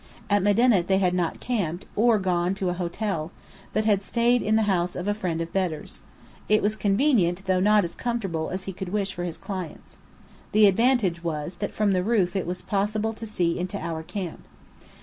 At Medinet they had not camped, or gone to an hotel, but had stayed in the house of a friend of Bedr's. It was convenient, though not as comfortable as he could wish for his clients. The advantage was, that from the roof it was possible to see into our camp.